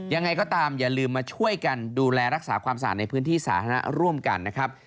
ยังไงก็ตามอย่าลืมมาช่วยกันดูแลรักษาความสะอาดในพื้นที่สาธารณะร่วมกันนะครับ